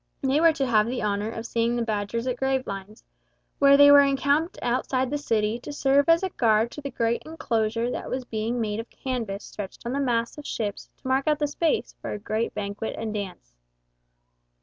They were to have the honour of seeing the Badgers at Gravelines, where they were encamped outside the city to serve as a guard to the great inclosure that was being made of canvas stretched on the masts of ships to mark out the space for a great banquet and dance.